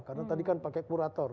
karena tadi kan pakai kurator